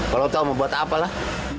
kalau tahu mau buat apa lah